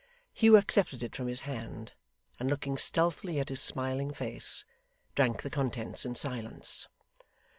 Hugh accepted it from his hand, and looking stealthily at his smiling face, drank the contents in silence.